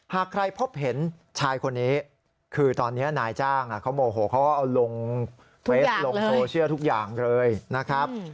หากใครพบเห็นชายคนนี้คือตอนนี้นายจ้างเขาโมโหเขาก็เอาลงเฟสลงโซเชียลทุกอย่างเลยนะครับ